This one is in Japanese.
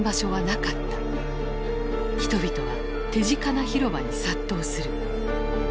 人々は手近な広場に殺到する。